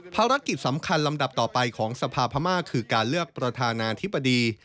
ภารกิจสำคัญลำดับต่อไปของสภาพม่าคือการเลือกประธานาธิบดี